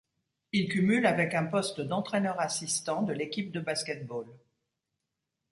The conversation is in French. Il cumule avec un poste d'entraîneur assistant de l'équipe de basket-ball.